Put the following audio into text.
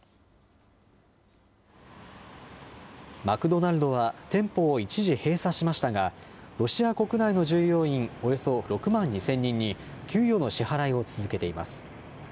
マクドナルドは店舗を一時、閉鎖しましたがロシア国内の従業員およそ６万２０００人に給与の支払いを続けています。